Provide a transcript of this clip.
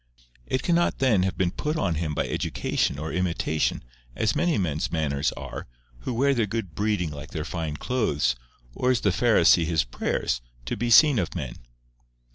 It cannot then have been put on him by education or imitation, as many men's manners are, who wear their good breeding like their fine clothes, or as the Pharisee his prayers, to be seen of men."